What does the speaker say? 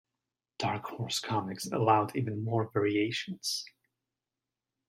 Dark Horse Comics allowed even more variations.